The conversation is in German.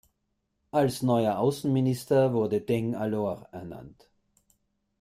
Als neuer Außenminister wurde Deng Alor ernannt.